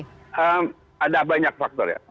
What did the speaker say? jadi ada banyak faktor ya